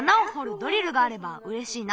ドリルがあればうれしいな。